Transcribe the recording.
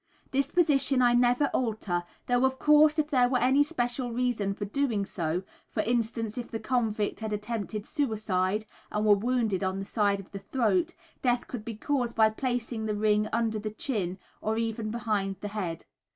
This position I never alter, though of course, if there were any special reason for doing so, for instance, if the convict had attempted suicide and were wounded on the side of the throat, death could be caused by placing the ring under the chin or even behind the head.